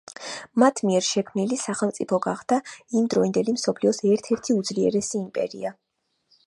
მათ მიერ შექმნილი სახელმწიფო გახდა იმ დროინდელი მსოფლიოს ერთ–ერთი უძლიერესი იმპერია.